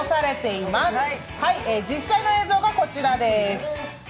実際の映像がこちらです。